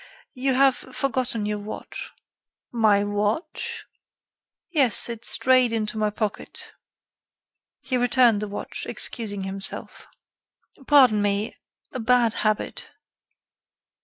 "You have forgotten your watch." "My watch?" "Yes, it strayed into my pocket." He returned the watch, excusing himself. "Pardon me.... a bad habit.